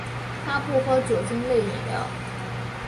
他不喝酒精类饮料。